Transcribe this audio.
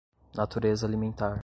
natureza alimentar